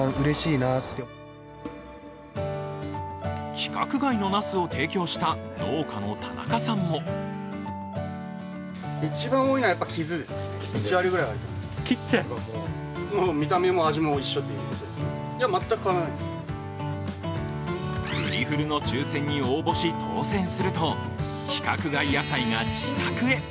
規格外のなすを提供した農家の田中さんもフリフルの抽選に応募し当選すると規格外野菜が自宅へ。